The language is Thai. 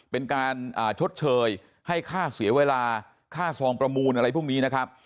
เป็นการชดเชยให้ค่าเสียเวลาค่าซองประมูลอะไรพวกนี้นะครับ